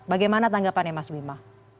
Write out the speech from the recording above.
bagaimana tanggapannya mas bima